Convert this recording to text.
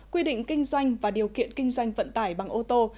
quy định kinh doanh và điều kiện kinh doanh vận tải bằng ô tô